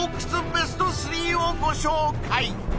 ベスト３をご紹介！